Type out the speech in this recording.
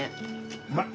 うまい。